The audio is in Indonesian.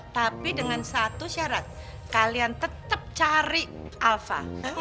tapi dengan satu syarat kalian tetap cari alfa